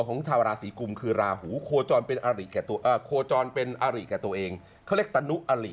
ของชาวราศีกุมคือลาหูโคจรเป็นอาริแค่ตัวเองเขาเรียกตะนุอาริ